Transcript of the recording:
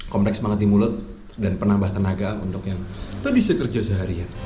kompleks banget di mulut dan penambah tenaga untuk yang tadi saya kerja seharian